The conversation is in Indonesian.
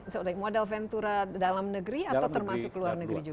jadi modal ventura dalam negeri atau termasuk luar negeri juga